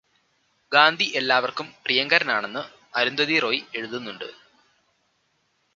ഗാന്ധി എല്ലാവര്ക്കും പ്രിയങ്കരനാണെന്ന് അരുന്ധതി റോയ് എഴുതുന്നുണ്ട്.